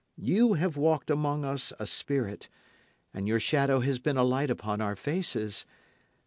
You have walked among us a spirit, and your shadow has been a light upon our faces.